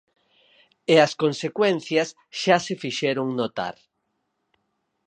E as consecuencias xa se fixeron notar.